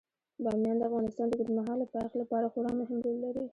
بامیان د افغانستان د اوږدمهاله پایښت لپاره خورا مهم رول لري.